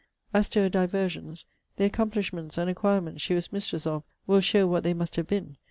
As to her diversions, the accomplishments and acquirements she was mistress of will show what they must have been.